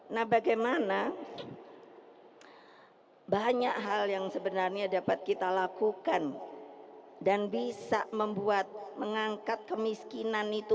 nah bagaimana banyak hal yang sebenarnya dapat kita lakukan dan bisa membuat mengangkat kemiskinan itu